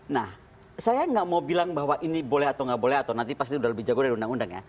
nah saya nggak mau bilang bahwa ini boleh atau nggak boleh atau nanti pasti sudah lebih jago dari undang undang ya